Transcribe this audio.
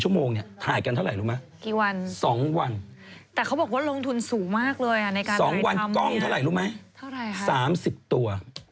กล้องเท่าไหร่รู้ไหม๓๐ตัว